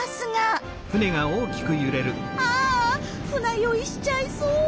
あ船酔いしちゃいそう。